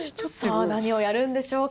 さあ何をやるんでしょうか？